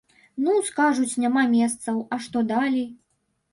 Ну, скажуць, няма месцаў, а што далей!